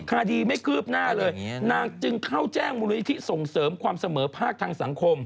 คดีไม่คืบหน้าเลยนางจึงเข้าแจ้งมูลนิธิส่งเสริมความเสมอภาคทางสังคม